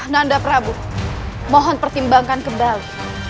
nanda prabu mohon pertimbangkan kembali